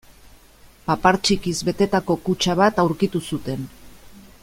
Papar txikiz betetako kutxa bat aurkitu zuten.